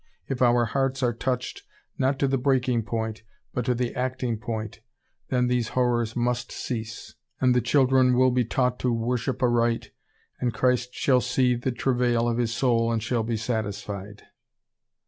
If our hearts are touched, not to the breaking point, but to the acting point, then these horrors must cease, and the children will be taught to worship aright, and Christ "shall see of the travail of His soul and shall be satisfied."